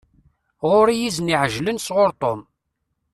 Ɣur-i izen iεeǧlen sɣur Tom.